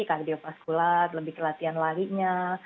kardiopaskulat lebih ke latihan larinya